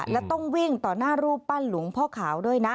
และต้องวิ่งต่อหน้ารูปปั้นหลวงพ่อขาวด้วยนะ